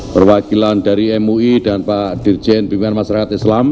perwakilan dari mui dan pak dirjen bimbingan masyarakat islam